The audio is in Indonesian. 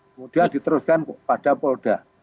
kemudian diteruskan kepada polda